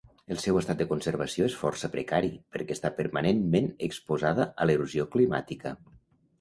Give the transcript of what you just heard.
El seu estat de conservació és força precari perquè està permanentment exposada a l'erosió climàtica.